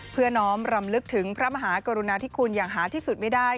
เพื่อน้อมรำลึกถึงพระมหากรุณาธิคุณอย่างหาที่สุดไม่ได้